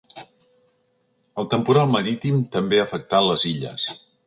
El temporal marítim també ha afectat les Illes.